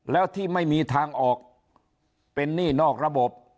แล้วที่ไม่มีทางออกเป็นหนี้นอกระบบ